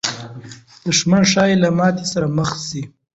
دښمن ښایي له ماتې سره مخامخ سي.